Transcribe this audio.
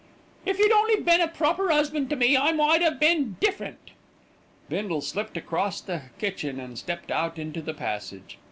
"If you'd only been a proper 'usband to me I might have been different." Bindle slipped across the kitchen and stepped out into the passage.